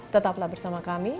tetaplah bersama kami